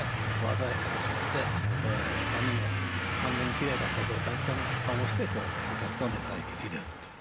鮮やかに取って何も完全にきれいだった状態みたいな顔をしてお客さんを迎え入れるっていう。